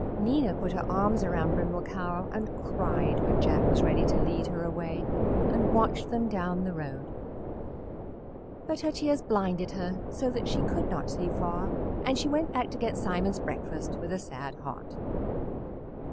Nina put her arms around Brindle Cow and cried when Jack was ready to lead her away and watched them down the road; but her tears blinded her so she could not see far, and she went back to get Simon's breakfast with a sad heart.